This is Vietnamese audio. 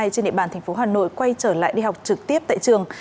trên địa bàn tp hà nội quay trở lại đi học trực tiếp tại trường